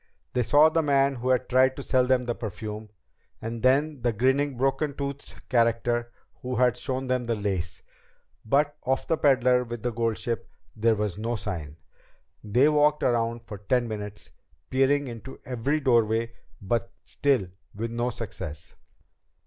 They saw the man who had tried to sell them the perfume, and then the grinning, broken toothed character who had shown them the lace. But of the peddler with the gold ship there was no sign. They walked around for ten minutes, peering into every doorway, but still with no success.